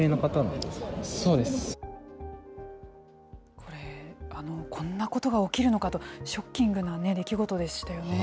これ、こんなことが起きるのかと、ショッキングな出来事でしたよね。